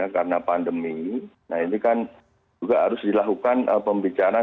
karena pandemi nah ini kan juga harus dilakukan pembicaraan